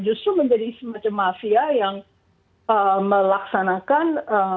justru menjadi semacam mafia yang melaksanakan